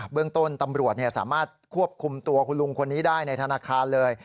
เรื่องต้นตำรวจสามารถควบคุมตัวคุณลุงคนนี้ได้ในธนาคารเลย